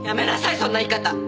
そんな言い方。